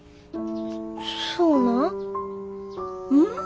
そうなん？